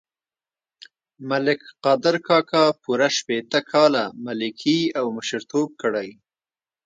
ملک قادر کاکا پوره شپېته کاله ملکي او مشرتوب کړی.